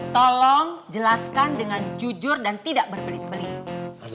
tolong jelaskan dengan jujur dan tidak berbelit belit